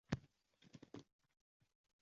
Senmisan qush bo’lib uchgan?!! Ey, murtad… Osiy!